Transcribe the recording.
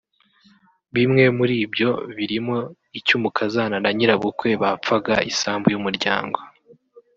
Bimwe muri byo birimo icy’umukazana na nyirabukwe bapfaga isambu y’umuryango